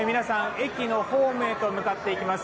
駅のホームへと向かっていきます。